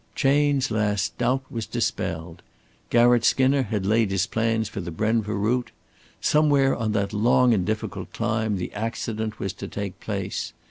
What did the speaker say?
Chayne's last doubt was dispelled. Garratt Skinner had laid his plans for the Brenva route. Somewhere on that long and difficult climb the accident was to take place.